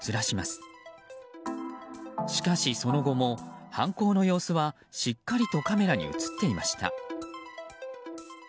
しかし、その後も犯行の様子はしっかりとカメラに映っていました。